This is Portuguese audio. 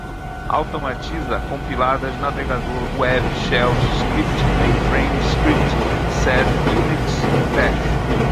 automatiza, compiladas, navegador web, shells, scripting, mainframes, script, sed, unix, bash